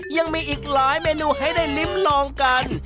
ยังมีอีกหลายเมนูให้ได้ลิ้มลองกัน